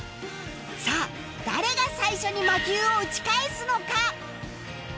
さあ誰が最初に魔球を打ち返すのか？